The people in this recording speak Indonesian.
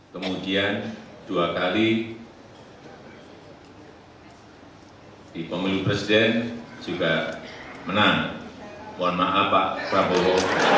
kemudian dua kali di pemilu presiden juga menang mohon maaf pak prabowo